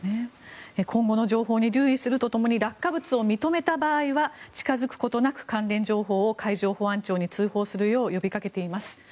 今後の情報に留意すると共に落下物を認めた場合は近づくことなく関連情報を海上保安庁に通報するよう呼びかけています。